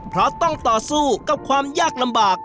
เพราะต้องต่อสู้กับความยากลำบาก